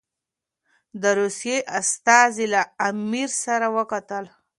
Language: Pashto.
د روسیې استازي له امیر سره وکتل.